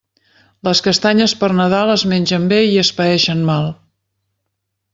Les castanyes per Nadal es mengen bé i es paeixen mal.